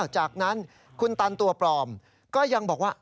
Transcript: จากนั้นคุณตันตัวปลอมก็ยังบอกว่า